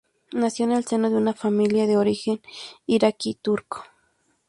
Nació en el seno de una familia de origen irakí-turco.